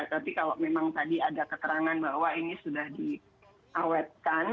tapi kalau memang tadi ada keterangan bahwa ini sudah diawetkan